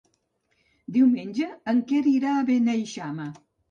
Diumenge en Quer irà a Beneixama.